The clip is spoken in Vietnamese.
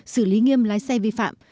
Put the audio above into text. xử lý nghiêm lái xe vi phạm